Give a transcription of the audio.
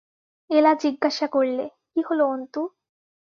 এলা জিজ্ঞাসা করলে, কী হল, অন্তু?